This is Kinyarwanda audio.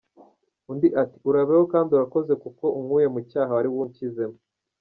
Undi ati “Urabeho kandi urakoze kuko unkuye mu cyaha wari unshyizemo.